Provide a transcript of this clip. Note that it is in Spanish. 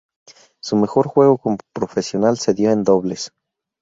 Su mejor juego como professional se dio en dobles.